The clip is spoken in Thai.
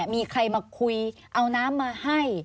มีใครมาคุยเอาน้ำมาให้